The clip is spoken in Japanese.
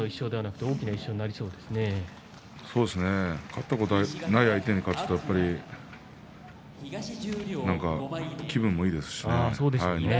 勝ったことがない相手に勝つと気分もいいですしね。